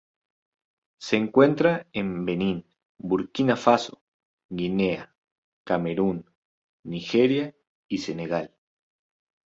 Se encuentra en Benín, Burkina Faso, Guinea, Camerún, Nigeria y Senegal.